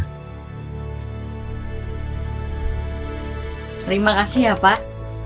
terima kasih ya pak